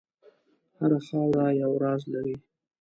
هره خاوره یو راز لري.